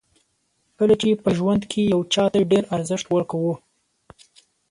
کله چې په ژوند کې یو چاته ډېر ارزښت ورکوو.